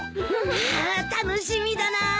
あ楽しみだなあ。